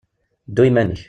Ddu iman-ik.